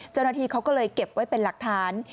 เจ้าหน้าที่เขาก็เลยเก็บไว้เป็นหลักฐาน